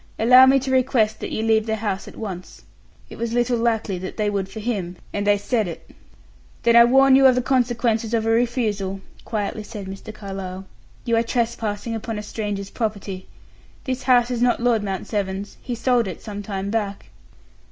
"Allow me to request that you leave the house at once." It was little likely that they would for him, and they said it. "Then I warn you of the consequences of a refusal," quietly said Mr. Carlyle; "you are trespassing upon a stranger's property. This house is not Lord Mount Severn's; he sold it some time back."